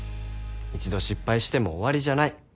一度失敗しても終わりじゃない。